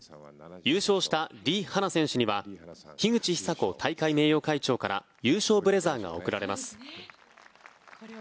優勝したリ・ハナ選手には樋口久子大会名誉会長から優勝ブレザーが贈られます。